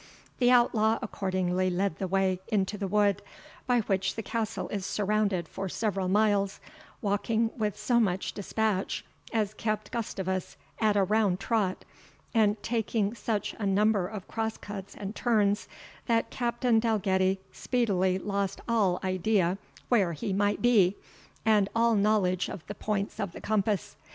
The outlaw accordingly led the way into the wood, by which the castle is surrounded for several miles, walking with so much dispatch as kept Gustavus at a round trot, and taking such a number of cross cuts and turns, that Captain Dalgetty speedily lost all idea where he might be, and all knowledge of the points of the compass.